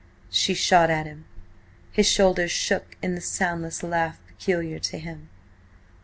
she shot at him. His shoulders shook in the soundless laugh peculiar to him.